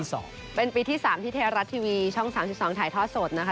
แล้วก็เป็นปีที่๓ที่เทรารัสทีวีช่อง๓๒ถ่ายทอดสดนะคะ